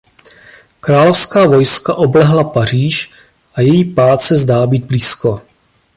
Královská vojska oblehla Paříž a její pád se zdá být blízko.